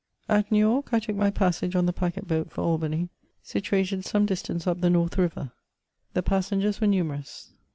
At New York I took my passage on the packet boat for Albany, situated some distance up £e North River. The pas sengers were numerous.